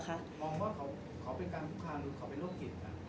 มองว่าเขาเขาเป็นการภูครามหรือเขาเป็นโรคกิจอ่ะ